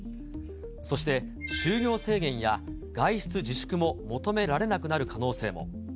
そして就業制限や外出自粛も求められなくなる可能性も。